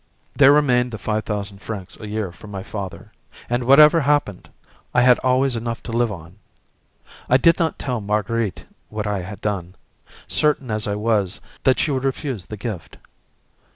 There remained the five thousand francs a year from my father; and, whatever happened, I had always enough to live on. I did not tell Marguerite what I had done, certain as I was that she would refuse the gift.